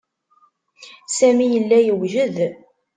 Sami yella yewjed.